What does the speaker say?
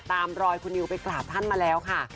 ตามรอยคุณนิวไปกราบท่านมาแล้วค่ะ